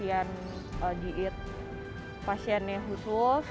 kita melakukan pemorsian diit pasiennya khusus